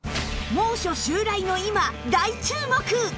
猛暑襲来の今大注目！